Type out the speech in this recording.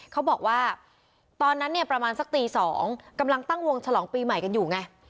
เขาบอกว่าตอนนั้นเนี่ยประมาณสักตี๒กำลังตั้งวงฉลองปีใหม่กันอยู่ไง